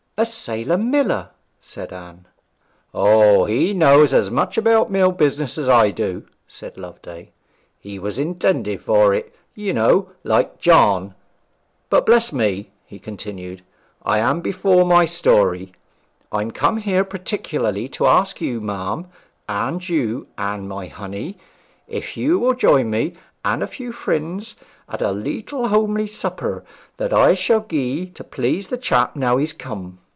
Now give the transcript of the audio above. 'A sailor miller!' said Anne. 'O, he knows as much about mill business as I do,' said Loveday; 'he was intended for it, you know, like John. But, bless me!' he continued, 'I am before my story. I'm come more particularly to ask you, ma'am, and you, Anne my honey, if you will join me and a few friends at a leetle homely supper that I shall gi'e to please the chap now he's come?